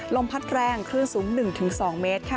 ลมพัดแรงคลื่นสูง๑๒เมตรค่ะ